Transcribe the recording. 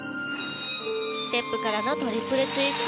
ステップからのトリプルツイスト。